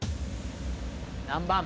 何番？